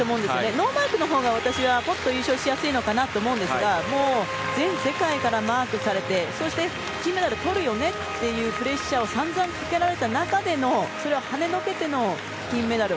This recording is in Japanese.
ノーマークのほうがポッと優勝しやすいのかなと思うんですが全世界からマークされてそして、金メダルとるよねというプレッシャーを散々かけられた中でそれをはねのけての金メダル。